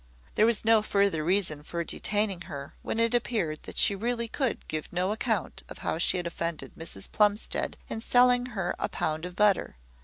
There was no further reason for detaining her when it appeared that she really could give no account of how she had offended Mrs Plumstead in selling her a pound of butter.